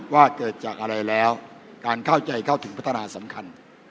ว่าเกิดจากอะไรแล้วการเข้าใจเข้าถึงพัฒนาสำคัญ